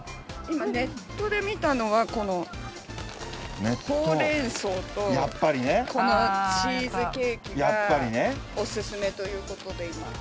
ネットで見たのはこのほうれん草とチーズケーキがおすすめということで今手に取りました。